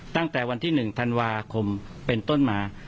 ตั้งแต่วันที่๑ธันวาคมเป็นต้นมา